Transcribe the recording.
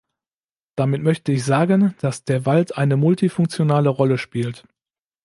Damit möchte ich sagen, dass der Wald eine multifunktionale Rolle spielt.